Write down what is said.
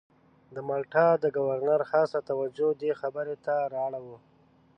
د مالټا د ګورنر خاصه توجه دې خبرې ته را اړوو.